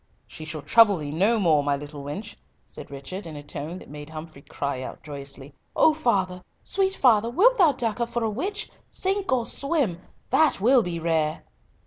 "She shall trouble thee no more, my little wench," said Richard in a tone that made Humfrey cry out joyously, "O father! sweet father! wilt thou duck her for a witch? Sink or swim! that will be rare!"